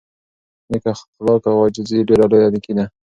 نېک اخلاق او عاجزي ډېره لویه نېکي ده.